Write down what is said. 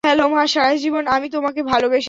Hello মা সারাজীবন আমি তোমাকে ভালবেসেছি।